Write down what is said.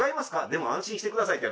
でも安心してください」って。